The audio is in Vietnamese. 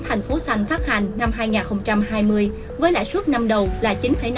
thành phố xanh phát hành năm hai nghìn hai mươi với lãi suất năm đầu là chín năm